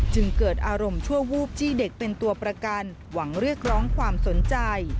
จึงเกิดอารมณ์ชั่ววูบจี้เด็กเป็นตัวประกันหวังเรียกร้องความสนใจ